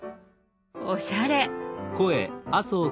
おしゃれ！